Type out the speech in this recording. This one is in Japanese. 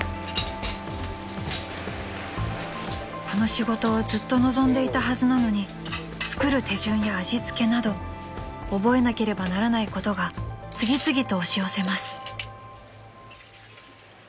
［この仕事をずっと望んでいたはずなのに作る手順や味付けなど覚えなければならないことが次々と押し寄せます］